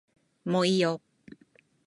もういいよ